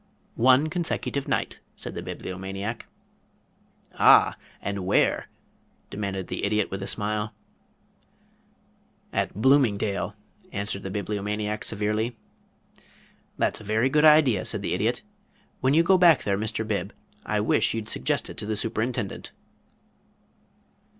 "One consecutive night," said the Bibliomaniac. "Ah and where?" demanded the Idiot with a smile. "At Bloomingdale," answered the Bibliomaniac severely. "That's a very good idea," said the Idiot. "When you go back there, Mr. Bib, I wish you'd suggest it to the Superintendent."